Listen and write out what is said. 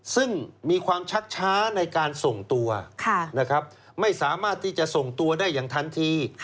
ซึ่งมีความชักช้าในการส่งตัวไม่สามารถที่จะส่งตัวได้อย่างทันที